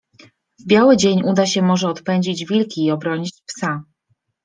w biały dzień uda się może odpędzić wilki i obronić psa.